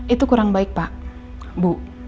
itu kurang baik pak bu